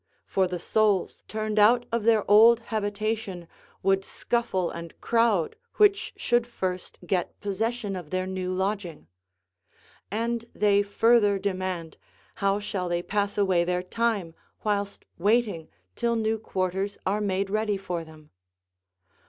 For the souls, turned out of their old habitation, would scuffle and crowd which should first get possession of their new lodging; and they further demand how they shall pass away their time, whilst waiting till new quarters are made ready for them?